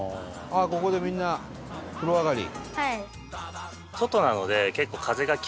「ここでみんな風呂上がり」